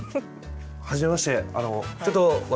はじめまして。